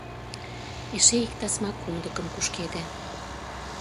Эше ик тасма кумдыкым кушкеде.